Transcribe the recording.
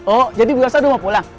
oh jadi mbak elsa udah mau pulang